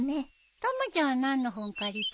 たまちゃんは何の本借りたの？